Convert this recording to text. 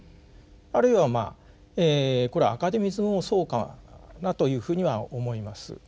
あるいはまあこれはアカデミズムもそうかなというふうには思います。